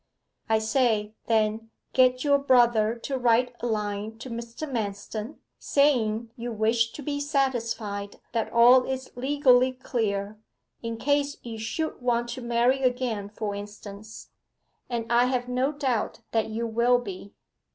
I say, then, get your brother to write a line to Mr. Manston, saying you wish to be satisfied that all is legally clear (in case you should want to marry again, for instance), and I have no doubt that you will be.